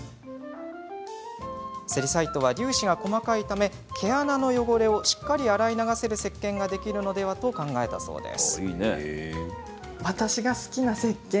セリサイトは粒子が細かいため毛穴の汚れをしっかり洗い流せるせっけんができるのではと考えたそうです。